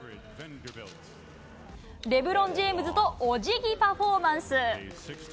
レブロン・ジェームズとおじぎパフォーマンス。